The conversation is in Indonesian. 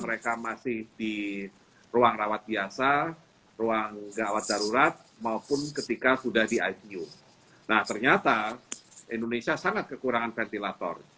mereka masih di ruang rawat biasa ruang gawat darurat maupun ketika sudah di icu nah ternyata indonesia sangat kekurangan ventilator